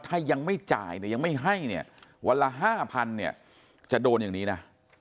ถ้ายังไม่จ่ายเนี่ยยังไม่ให้เนี่ยวันละ๕๐๐เนี่ยจะโดนอย่างนี้นะ